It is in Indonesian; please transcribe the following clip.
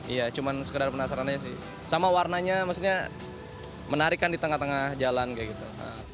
iya cuma sekedar penasaran aja sih sama warnanya maksudnya menarik kan di tengah tengah jalan kayak gitu